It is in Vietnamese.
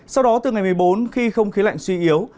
sau đó từ ngày một mươi bốn khi không khí lạnh suy yếu